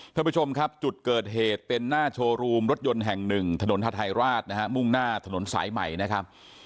ท่านผู้ชมครับจุดเกิดเหตุเป็นหน้าโชว์รูมรถยนต์แห่งหนึ่งถนนฮาทายราชนะฮะมุ่งหน้าถนนสายใหม่นะครับ